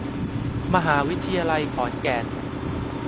มหาวิทยาลัยขอนแก่น